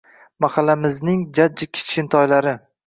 Maxallamizning jajji kichkintoylari